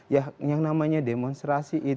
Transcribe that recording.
ya yang namanya demonstrasi itu